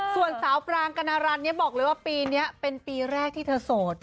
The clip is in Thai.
ส่วนสาวปรางกนารันเนี่ยบอกเลยว่าปีนี้เป็นปีแรกที่เธอโสด